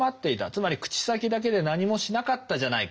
つまり口先だけで何もしなかったじゃないかと。